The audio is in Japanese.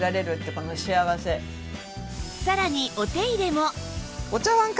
さらにお手入れも